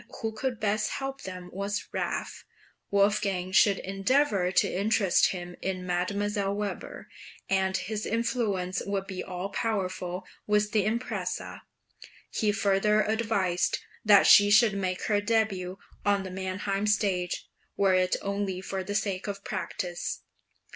} (427) who could best help them was Raaff; Wolfgang should endeavour to interest him in Mdlle. Weber, and his influence would be all powerful with the impresaii. He further advised that she should make her début on the Mannheim stage, were it only for the sake of practice.